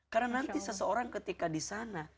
karena nanti seseorang ketika disana